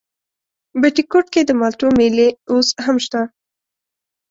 بټي کوټ کې د مالټو مېلې اوس هم شته؟